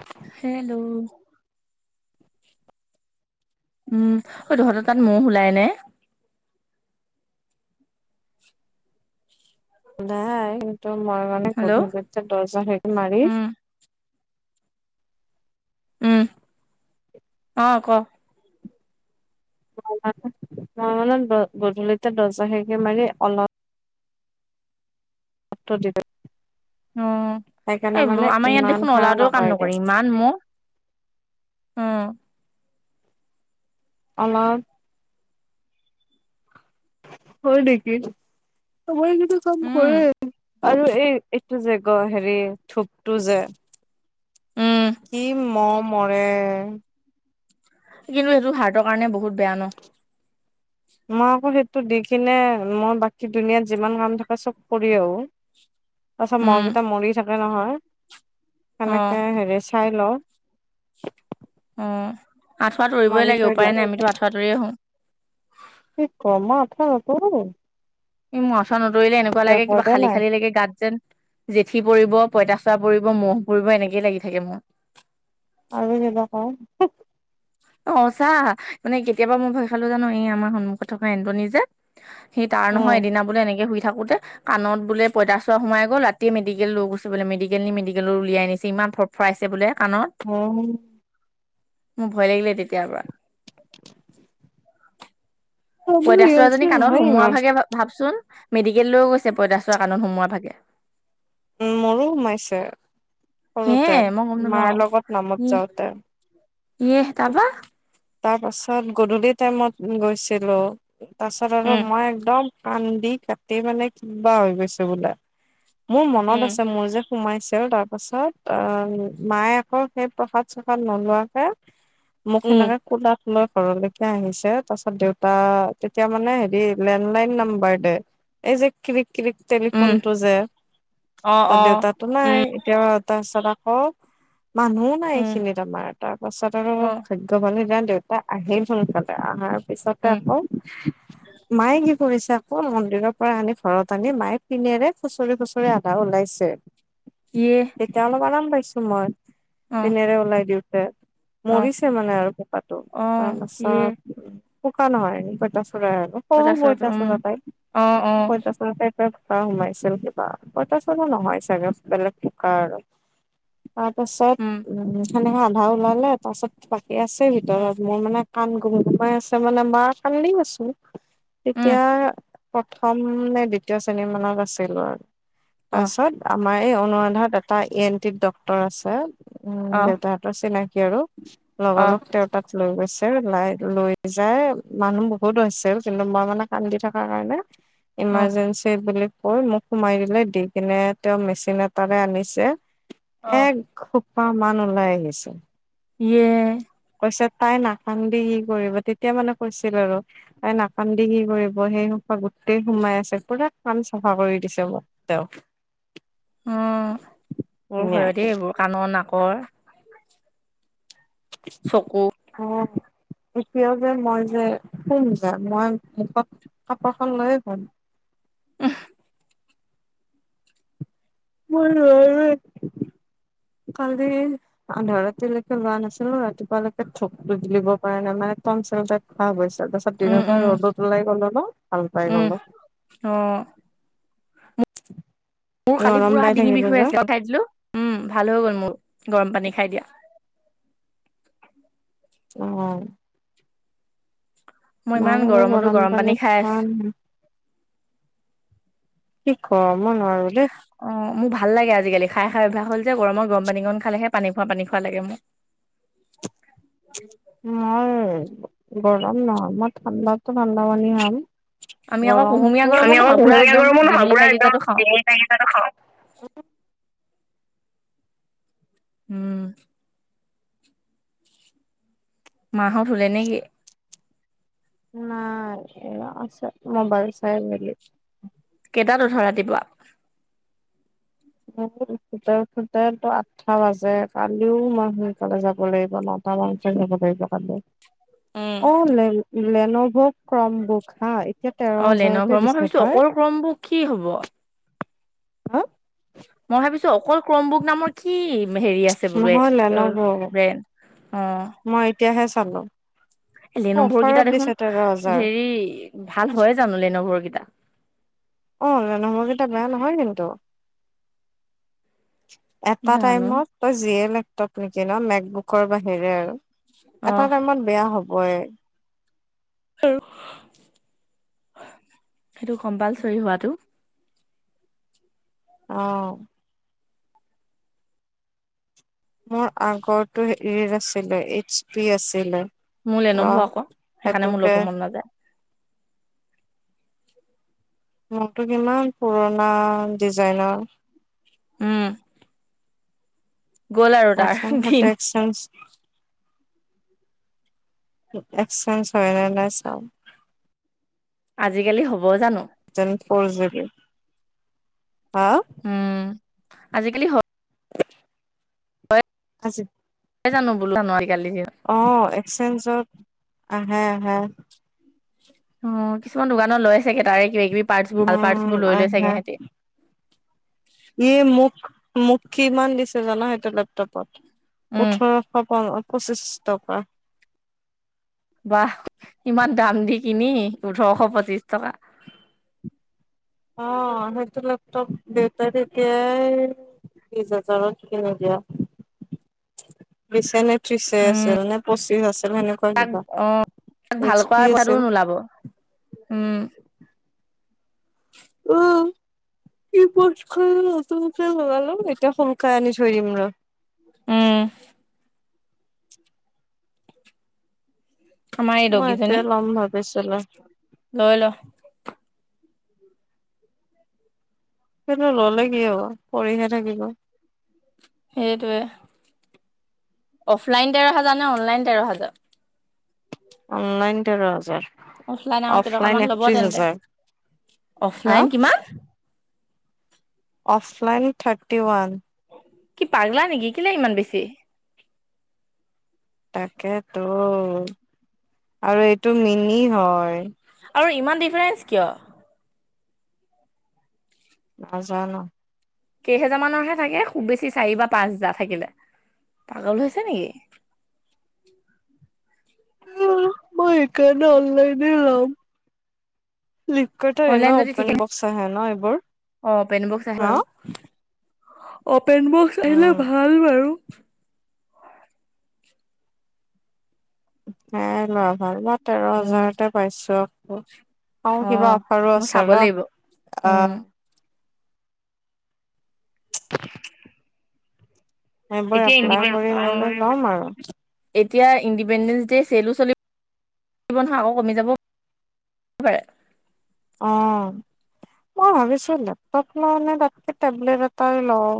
Hello উম অ তহঁত তাত মহ ওলাই নে ওলাই কিন্তু মই মানে হেল্ল' গধূলি দৰ্জা খিৰিকী মাৰি উম উম অ ক মই মানে গধূলিতে দৰ্জা খিৰিকী মাৰি অলপ সত দিগাই [unintelligible] উ এই আমাৰ ইয়াত ইমান দেখোন সেয়া অ'লাটোও কাম নহয়গে নকৰে, ইমান মহ। অঁ। অলপ হয় নেকি, আমাৰ গিতা কাম উম কৰে। আৰু এই এইটো যে গ হেৰি থোপটো যে উম কি মহ মৰে কিন্তু সেইটো হাৰ্টৰ কাৰণে বহুত বেয়া ন মই আকৌ সেইটো দি কিনে মই বাকী দুনিয়াত যিমান কাম থাকে চব কৰি আহো [unintelligible] তাৰপাছত উম মহকেইটা মৰি থাকে নহয় অ সেনেকে হেৰি চাই লওঁ অ আঁঠুৱা তৰিবই মাৰি লাগে থৈ দিওঁ উপায় নাই আমিতো আঁঠুৱা তৰিয়ে হোঁ। এই গৰম'ম আঁঠুৱা নতও ম'ই। ই মু আঁঠুৱা নতৰিলে এনেকুৱা লাগে কিবা ৰেকৰ্ডে খাল নাই খালি লাগে গাত যেন জেঠি পৰিব, পইতাচা পৰিব, মহ' পৰিব এনেকেই লাগি থাকে মোৰ। আৰু কিবা ক? অ হচা, মানে কেতিয়াবা মই ভয় খালো জানো এই আমাৰ সন্মুখত থকা এণ্টনি যে সি তাৰ নহয় উম এদিনা বোলে এনেকে শুই থাকোতে কাণত বোলে পইচা চোৱাৰা সোমাই গল ৰাতিয়ে মেডিকেল লৈ গৈছে বোলে, মেডিকেল নি মেডিকেলত উলিয়াই আনিছে ইমান ফৰ ফৰাইছে বোলে কাণত। অঁ। মোৰ ভয় লাগিলে তেতিয়াৰ পৰা। পঁইতাচোৰাজনী কাণত সোমোৱাৰ ইমান ভাগে ভাবচোন? মেডিকেল লৈ গৈছে পঁইতাচোৰা কাণত সোমোৱাৰ ভাগে। উম মোৰো সোমাইছে হে সৰুতে, মই গম নাপাওঁ মাৰ লগত নামত যাওঁতে। ইয়ে'হ তাপা? তাৰ পাছত গধূলি টাইমত গৈছিলোঁ, তাৰ পছত আৰু উম মই একদম কান্দি কাটি মানে কিবা হৈ গৈছোঁ বোলে। মোৰ মনত উম আছে মোৰ যে সোমাইছে তাৰ পাছত অ মায়ে আকৌ সেই প্ৰসাদ-চসাদ নোলোৱাকে [inaudible] মোক সেনেকে কোলাত লৈ ঘৰলৈকে আহিছে, তাৰ পাছত দেউতা তেতিয়া মানে হেৰি লেণ্ডলাইন নাম্বাৰ, দে এই যে কৰিক কৰিক টেলিফোন উম টো যে, অ ত অ দেউতাটো নাই, উম এতি তাৰপাছত আকৌ মানুহো নাই উম এইখিনিত আমাৰ, তাৰপাছত আৰু অ ভা ক'বালে যান দেউতা আহেই সোনকালে আহাৰ তাৰ পিছতে উম আকৌ মায়ে কি কৰিছে, মন্দিৰৰ পৰা আনি ঘৰত আনি মায়ে পিননেৰে খুচৰি খুচৰি আধা ওলাইছে। ইয়ে'হ। তেতিয়া অলপ আৰাম পাইছো মই, অ পিনেৰে ওলাই দিওঁতে, অ মৰিছে মানে আৰু পাতো অ তাৰ ইহ পাছত পোকা নহয় পইতাচোৰা আৰু সৰু পঁইতাচোৰাটো উম বৈতাচোৰা পাই, অ অ পইতাচোৰা পাই তে পোকা সোমাইছিল কিবা, পইতাচোৰা নহয় চাগে বেলেগ পোকা আৰু। তাৰপাছত উম সেনেকে আধা ওলালে, তাৰ পাছত বাকী আছে উম ভিতৰত মোৰ মানে কাণ গুম গোমাই আছে মানে মাৰ কান্দি আছো উম তেতিয়া প্ৰথম নে দ্বিতীয় শ্ৰেণী মানত আছিলো আৰু অহ তাছত আমাৰ এই অনুৰাধাত এটা ই এন টিত ডক্তৰ আছে। উম অহ দেউতাহতৰ চিনাকী আৰু লগৰ অহ লগ তাত লৈ গৈছে, লাই লৈ যাই মানুহ বহুত হৈছিল কিন্তু মই মানে কান্দি থাকাৰ কাৰণে [inaudible] ইমাৰজেঞ্চি বুলি কৈ মোক সোমাই দিলে, দি কিনে তেওঁ মেচিন এটাৰে আনিছে অ', এক খোপা মান ওলাই আহিছে। ইয়ে। কৈছে তাই নাকান্দি কি কৰিব? তেতিয়া মানে কৈছিল আৰু। তাই নাকান্দি কি কৰিব সেও গোটেই সোমাই আছে পুৰা কাম চাফা কৰি দিছে মোক তেওঁ। অ বৰ ধুনীয়াকে ভয়তে এইবোৰ কাণৰ, নাকৰ। চকু অঁহ। এতিয়াও যে মই যে শুম যে, মই মুখত কাপোৰখন লৈয়ে শুম। মোৰ ৰুৱা ৰুই কালি আধা ৰাতিলৈকে লোৱা নাছিলো ৰাতিপুৱালৈকে থোকটো গিলিব পৰা নাই মানে টনচিল টাইপ হৈ গৈছিল। তাপাছত উম, দিনৰ উম, পৰা ৰ'দত ওলাই গলো ন ভাল পাই উম, গ'লো। অ মোৰ কালি নৰম পুৰা পাই ডিঙি বিষ থাকিব হৈ যে আছিলে খাই দিলো উম ভাল হৈ গ'ল মোৰ গৰম পানী খাই দিয়া। অ। মই ইমান গৰমতো গৰম পানী খাই আছো। কি ক মই নোৱাৰো দে। অ মো ভাল লাগে আজিকালি খাই খাই অভ্যাস হল যে গৰমত গৰম পানী কণ খালেহে পানী খোৱা পানী খোৱা লাগে মো। [unintelligible] মই গৰম নহয়। মই ঠাণ্ডাতো ঠাণ্ডা পানী খাম। আমি আকৌ কুহুমীয়া গৰমতো গৰমো আমি আক নহয় পুৰা কুহুমীয়া একদম গৰমো নহয় ডিঙিত পুৰা লাগি একদম যোৱাটো খাওঁ ডিঙি সেইকেইটাতো খাও উম। মাঁহত শুলে নে কি? নাই এ আছে মবাইল চাই মেলি। কেইটাত উঠা ৰাতিপুৱা? উম উঠোতে উঠোতে তো আঠটা বাজে কালিও মই সোনকালে যাব লাগিব ন। তালাপ যাব লাগিব কাইলে উম, অ লে লেনভত ক্ৰম বুক হা এতিয়া তেৰ হাজাৰতে দিছে তাৰ। ক্ৰমবোৰ কি হ'ব? হেল্ল মই ভাবিছো অকল ক্ৰমবোক নামৰ কি হেৰি আছে বোলে নহয় অ লেনভ ব্ৰেণ্ড অ। মই এতিয়াহে চালো। লেনুভোৰ কেইটা অফাৰত দিছে দেখোন তেৰ হাজাৰ হেৰি ভাল হয় জানো লেনভৰ কেইটা? অ লেনভৰকেইটা বেয়া নহয় কিন্তু। এটা জানো টাইমত তই যিয়ে লেপটপ নিকিন মেকবোকৰ বাহিৰে আৰু অ এটা টাইমত বেয়া হবই। আৰু সেইটো কম্পালচৰি হোৱাতো অ। মোৰ আগৰতো হেৰি আছিলে এইচ পি আছিলে। মোৰ ৰ লেনেভ আক সেকাণে মো সেইটোকে ল'ব মন নাযায়। মোকতো কিমান পুৰণা ডিজাইনৰ। উম। গ'ল আৰু তাৰ প্ৰথমতো দিন টেষ্ট চেঞ্জ এক্সেঞ্জ হয় নে নাই চাম। আজিকালি হ'ব জানো? যেন ফৰ্জ নেকি? হা? উম আজিকালি স আজি পাই জানো বোলা আজিকালি সিহঁত অ এক্সচেঞ্জত আহে আহে অ কিছুমান দোকানত লৈ চাগে তাৰে কিবা কিবি পাৰ্টছ বোৰ ভাল পাৰ্ট উম বোৰ লৈ লৈ চাগে হেতি। ইয়ে মোক মোক কিমান দিছে জান সেইটো লেপটপত উম ওঠৰশ পন- পঁচিছ টকা। বাহ ইমান দাম দি কিনি ওঠৰশ পঁচিশ টকা। অ সেইটো লেপটপ দেউতাই তেতিয়াই বিশ হাজাৰত কিয় নিদিয়া? দিচানে? উম ত্ৰিছে আছিল নে পঁচিশ আছিল সেনেকুৱা তাক কিবা। অ তাক ভাল এইচ পি কৰাৰ পইচাটো আছিল। নোলাব উম। [inaudible] ও। ই পৌটখন নতুন কে লগালো এতিয়া সোনকালে আনি থৈ দিম ৰ। উম। আমাৰ এই মই ইয়াতে দগীজনী লম ভাবিছিলো। লৈ ল। কিন্তু ললে কি হব পৰিহে থাকিব। সেইটোৱে অফলাইন তেৰ হাজাৰ নে অনলাইন তেৰ হাজাৰ? অনলাইন তেৰ হাজাৰ। অফলাইন আৰু অফলাইন কেইটকামান ল'ব একত্ৰিশ তেন্তে হাজাৰ। হা। অফলাইন কিমান অফলাইন থাৰ্টি ৱান। কি পাগলা নেকি কেলে ইমান বেছি। তাকেতো আৰু এইটো মিনি হয়। আৰু ইমান ডিফাৰেঞ্চ কিয়? নাজানোঁ। কেইহেজাৰ মানৰহে থাকে খুব বেছি চাৰি বা পাঁচ হেজাৰ থাকিলে। পাগল হৈছে নেকি? মই সেইকাৰণে অনলাইনে ল'ম। ফ্লিপকাৰ্ট আহে ন অনলাইন যদি ঠিকে অপেন বক্স আহে ন এইবোৰ। অ অপেন বক্স আহে হা। বাৰু অপেন বক্স আহিলে উম ভাল বাৰু। সেইয়াই লৱা ভাল বাট, তেৰ উম হাজাৰতে পাইছো আকৌ অ কিবা অফাৰো মই আছে চাব ৰ, লাগিব অ। উম [inaudible] সেইবোৰ এতিয়া এপ্লাই ইণ্ডিপে কৰি মেলি ল'ম আৰু এতিয়া ইণ্ডিপেণ্ডেন্ট ডে চেলো চলিব- ব নহয় আকৌ কমি যাব পাৰে। অ মই ভাবিছো লেপটপ লওঁ নে তাতকে টেবলেট এটাই লওঁ।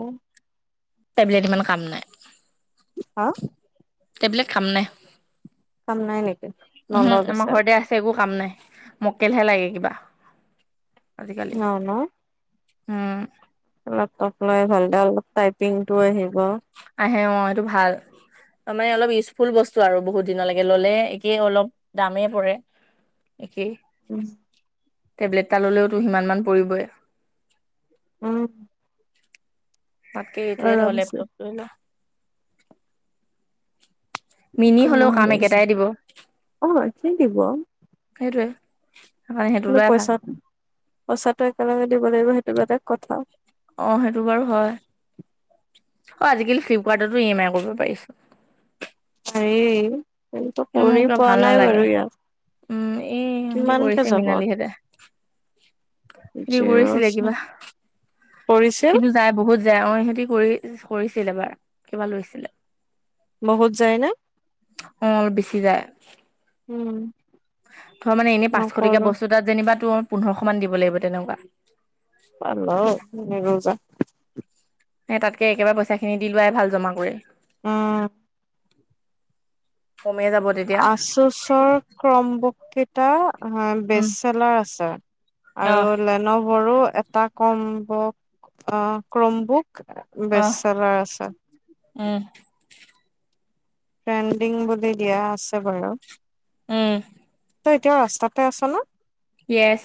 টেবলেট ইমান কাম নাই। হা। টেবলেট কাম নাই। কাম নাই নেকি উহু নলও আমাৰ পিছে। ঘৰতে আছে একো কাম নাই মকেলহে লাগে কিবা আজিকালি। ন ন উম। লেপটপ লৈ ভালকে অলপ টাইপিং টো আহিব। আহে অ এইটো ভাল। ত মানে অলপ ইউজফুল বস্তু আৰু বহুত দিনলৈকে ল'লে একে অলপ দামেই পৰে। একেই। উম। টেবলেট এটা ল'লেওতো সিমান পৰিবই। উম। তাতকে এইটোয়ে ল আৰামছে লেপটপটোৱে ল। মিনি কিমান হলেও হৈ কাম আছে? একেটাই দিব অ আজিয়ে দিব। সেইটোৱে। সেইকাৰণে সেইটো কিন্তু লোৱাই ভাল পইচা ন পইচাটো একেলগে দিব লাগিব সেইটো বেলেগ কথা। অ সেইটো বাৰু হয় হয় আজিকালি ফ্লিপকাৰ্টতো ই এম আই কৰিব পাৰি চোন। হেৰি কিন্তু মোৰ কৰি কিবা পোৱা ভাল নাই নালাগে বাৰু ইয়াত। উম এই ইহঁতি কিমানকে কৰিছে যাব মৃনালীহেঁতে। সেটি জিৰ' কৰিছিলে কিবা। পৰিছিল কিন্তু যায় বহুত যায় অ সিহতি কৰি কৰিছিলে এবাৰ কিবা লৈছিলে। বহুত যায় না? অ অলপ বেছি যায় উম? ধ মানে এনে পাঁচশটকীয়া নকৰো বস্তু তাত যেনিবা তোৰ পোন্ধৰশ মান দিব লাগিব তেনেকুৱা। বালও নেৰোঁ যা সে তাতকে একেবাৰে পইচাখিনি দি লোৱাই ভাল জমা কৰে। উহ। কমে যাব তেত- আচোচৰ ক্ৰম্বকেইটা উম বেচেলাৰ আছে। আৰু অহ লেনভৰো এটা কম্বুক ক্ৰম্বুক অহ বেচেলাৰ আছে। উম। ট্ৰেণ্ডিং বুলি দিয়া আছে বাৰু। উম। তই এতিয়া ৰাস্তাতে আছ ন। য়েছ।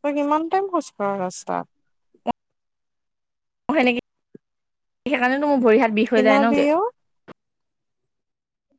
তই কিমান টাইম খোজকাঢ় ৰাস্তাত। অ সেনেকে সেইকাৰণেতো মোৰ ভৰি হাত বিষ হৈ যায় ন কে। ক্ষীণাবিও